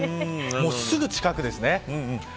すぐ近くですね。